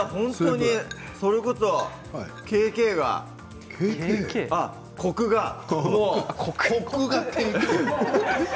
それこそＫＫがコクがもう。